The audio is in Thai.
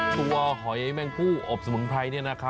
ตัวหอยแมลงคู่อบสมุนไพร